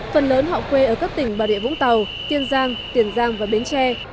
phần lớn họ quê ở các tỉnh và địa vũng tàu tiên giang tiền giang và bến tre